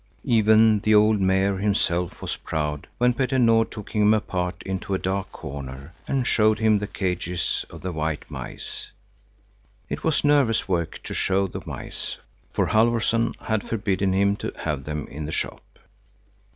Even the old Mayor himself was proud when Petter Nord took him apart into a dark corner and showed him the cages of the white mice. It was nervous work to show the mice, for Halfvorson had forbidden him to have them in the shop.